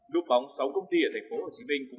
đúc bóng sáu công ty ở tp hcm